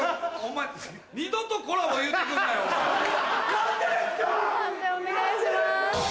判定お願いします。